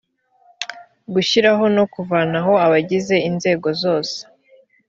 gushyiraho no kuvanaho abagize inzego zose